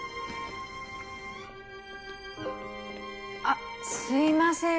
あっすいません。